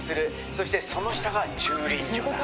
そしてその下が駐輪場だ。